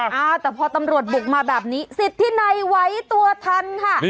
อ่าแต่พอตำรวจบุกมาแบบนี้สิทธินัยไหวตัวทันค่ะ